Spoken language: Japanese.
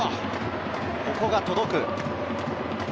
ここが届く。